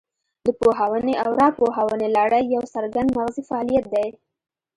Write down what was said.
د پوهونې او راپوهونې لړۍ یو څرګند مغزي فعالیت دی